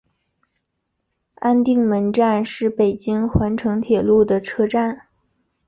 安定门站是北京环城铁路的车站。